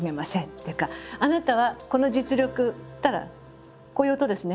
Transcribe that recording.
っていうかあなたはこの実力っていったらこういう音ですね。